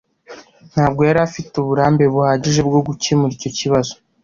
Ntabwo yari afite uburambe buhagije bwo gukemura icyo kibazo.